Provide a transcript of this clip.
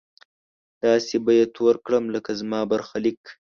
داسې به يې تور کړم لکه زما برخليک